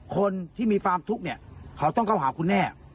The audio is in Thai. คนที่มีความทุกข์เนี่ยเขาต้องเข้าหาคุณแน่